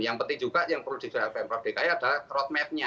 yang penting juga yang perlu diperhatikan oleh pm prof dki adalah road map nya